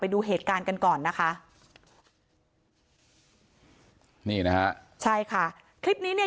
ดูเหตุการณ์กันก่อนนะคะนี่นะฮะใช่ค่ะคลิปนี้เนี่ย